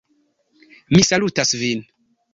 Mi salutas vin!